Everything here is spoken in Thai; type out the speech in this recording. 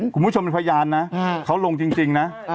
คุณผู้ชมเป็นพยานนะเขาลงจริงนะ